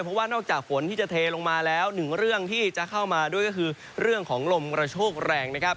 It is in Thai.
เพราะว่านอกจากฝนที่จะเทลงมาแล้วหนึ่งเรื่องที่จะเข้ามาด้วยก็คือเรื่องของลมกระโชกแรงนะครับ